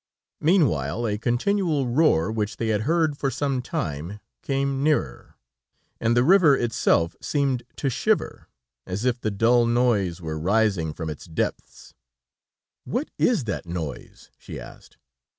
] Meanwhile, a continual roar, which they had heard for some time, came nearer, and the river itself seemed to shiver, as if the dull noise were rising from its depths. "What is that noise?" she asked.